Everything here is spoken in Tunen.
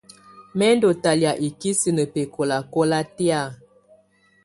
Mɛ̀ ndù talɛ̀́á ikisinǝ bɛkɔlakɔla tɛ̀́á.